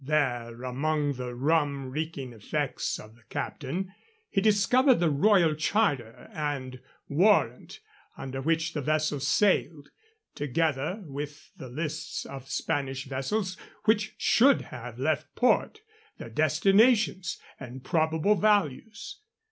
There, among the rum reeking effects of the captain, he discovered the royal charter and warrant under which the vessel sailed, together with the lists of Spanish vessels which should have left port, their destinations and probable values.